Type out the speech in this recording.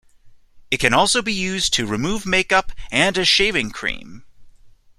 It can also be used to remove makeup and as shaving cream.